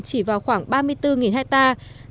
chỉ vào khoảng ba mươi bốn hectare